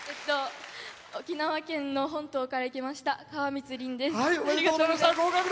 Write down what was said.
沖縄県の本島から来ましたかわみつです。